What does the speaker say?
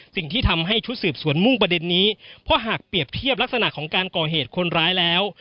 สิ่งที่ทำให้ชุดสืบสวนมุ่งประเด็นนี้เพราะหากเปรียบเทียบลักษณะของการก่อเหตุคนร้ายแล้ว